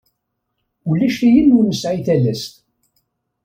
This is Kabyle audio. Ulac ayen ur nesɛi talast.